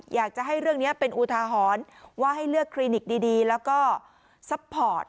อยากจะให้เรื่องนี้เป็นอุทาหรณ์ว่าให้เลือกคลินิกดีแล้วก็ซัพพอร์ต